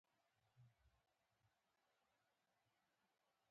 الوتلای نه شي